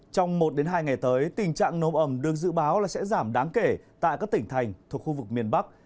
trong một hai ngày tới tình trạng nồm ẩm được dự báo là sẽ giảm đáng kể tại các tỉnh thành thuộc khu vực miền bắc